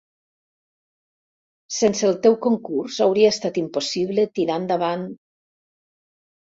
Sense el teu concurs hauria estat impossible tirar endavant...